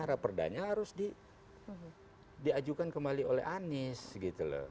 raperdanya harus diajukan kembali oleh anies gitu loh